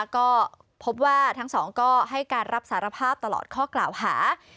ก็พบว่าทั้งสองก็ให้การรับสารภาพตลอดข้อกล่าวหา